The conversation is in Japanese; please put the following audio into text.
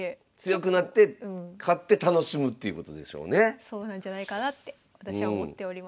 だからそうなんじゃないかなって私は思っております。